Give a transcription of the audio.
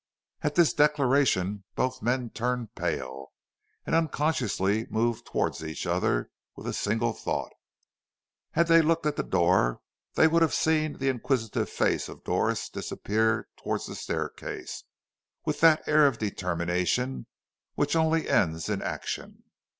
At this declaration both men turned pale, and unconsciously moved towards each other with a single thought. Had they looked at the door, they would have seen the inquisitive face of Doris disappear towards the staircase, with that air of determination which only ends in action.